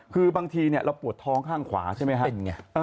คือบางทีเราปวดท้องข้างขวาใช่ไหมครับ